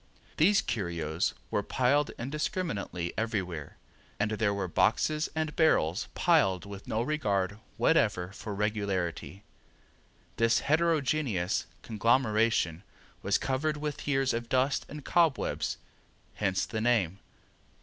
These curios were piled indiscriminately everywhere, and there were boxes and barrels piled with no regard whatever for regularity. This heterogeneous conglomeration was covered with years of dust and cobwebs, hence the name.